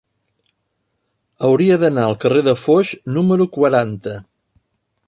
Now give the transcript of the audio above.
Hauria d'anar al carrer de Foix número quaranta.